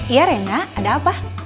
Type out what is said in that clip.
iya rena ada apa